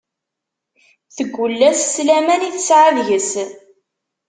Teggul-as s laman i tesɛa deg-s.